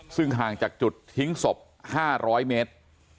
ซึ่งห่างจากจุดทิ้งศพ๕๐๐เมตร